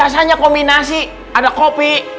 rasanya kombinasi ada kopi